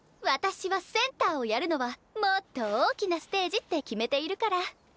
私はセンターをやるのはもっと大きなステージって決めているから。